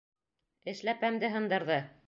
Эшләпәмде һындырҙы!